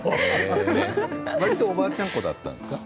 わりとおばあちゃん子だったんですか。